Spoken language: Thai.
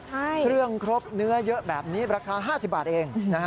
เครื่องครบเนื้อเยอะแบบนี้ราคา๕๐บาทเองนะฮะ